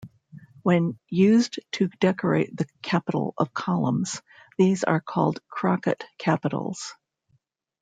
When used to decorate the capital of columns, these are called crocket capitals.